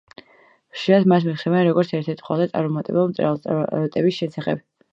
ხშირად მას მოიხსენიებენ როგორც ერთ-ერთ ყველაზე წარმატებულ მწერალს წარმატების შესახებ.